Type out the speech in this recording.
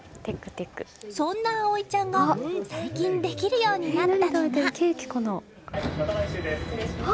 そんな碧海ちゃんが最近できるようになったのが。